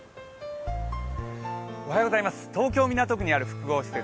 東京・港区にある複合施設